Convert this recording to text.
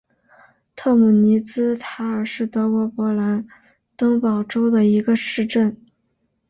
特姆尼茨塔尔是德国勃兰登堡州的一个市镇。